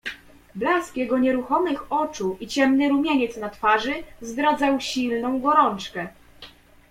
"Blask jego nieruchomych oczu i ciemny rumieniec na twarzy zdradzał silną gorączkę."